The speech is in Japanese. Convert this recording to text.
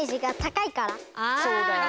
そうだよね。